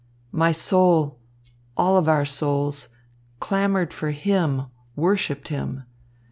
My soul, all of our souls, clamoured for him, worshipped him.